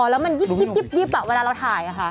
แล้วมันยิบแบบเวลาเราถ่ายอะคะ